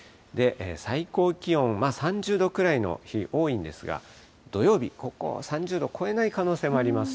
最高気温、まあ３０度くらいの日、多いんですが、土曜日、ここは３０度を超えない可能性もあります